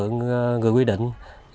nhắc nhở người dân ngồi dịch sống đó